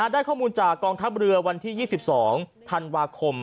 ได้ข้อมูลจากกองทัพเรือวันที่๒๒ธันวาคม